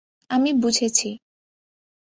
আমি বুঝেছি।